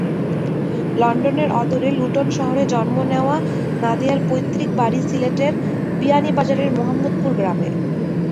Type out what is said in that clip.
লন্ডনের অদূরে লুটন শহরে জন্ম নেওয়া নাদিয়ার পৈতৃক বাড়ি সিলেটের বিয়ানীবাজারের মোহাম্মদপুর গ্রামে।